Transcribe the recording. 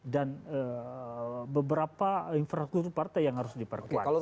dan beberapa infrastruktur partai yang harus diperkuat